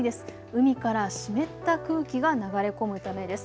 海から湿った空気が流れ込むためです。